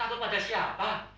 takut pada siapa